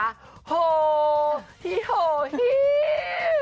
โฮฮิโหฮิว